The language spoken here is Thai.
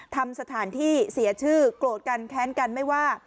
ทำสถานที่เสียชื่อโกรธกันแค้นกันไม่ว่า